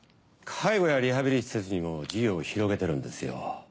介護やリハビリ施設にも事業を広げてるんですよ。